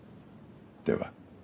では。